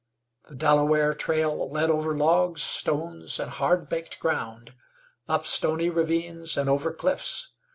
The Delaware trail led over logs, stones and hard baked ground, up stony ravines and over cliffs.